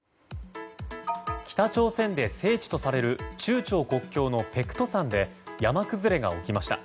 北朝鮮で聖地とされる中朝国境の白頭山で山崩れが起きました。